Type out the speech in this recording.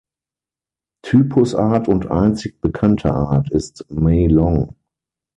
Typusart und einzig bekannte Art ist "Mei long".